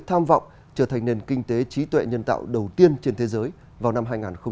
tham vọng trở thành nền kinh tế trí tuệ nhân tạo đầu tiên trên thế giới vào năm hai nghìn ba mươi